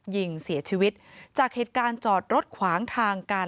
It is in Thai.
ยิงเสียชีวิตจากเหตุการณ์จอดรถขวางทางกัน